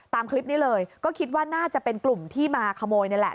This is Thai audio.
ตามคลิปนี้เลยก็คิดว่าน่าจะเป็นกลุ่มที่มาขโมยนี่แหละ